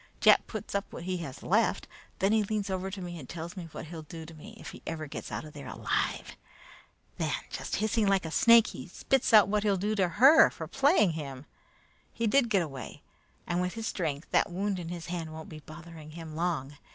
Jack puts up what he has left. Then he leans over to me and tells me what he'll do to me if he ever gets out of there alive. Then, just like a snake hissing, he spits out what he'll do to her for playing him. He did get away, and with his strength, that wound in his hand won't be bothering him long.